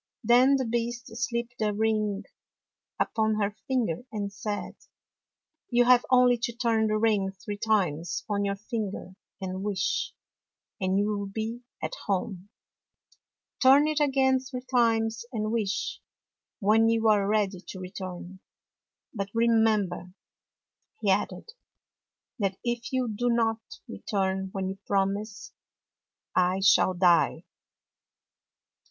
Then the Beast slipped a ring upon her finger and said, "You have only to turn the ring three times on your finger and wish, and you will be at home. Turn it again three times and wish, when you are ready to retmu. But remem ber," he added, " that if you do not return when you promise, I shall die."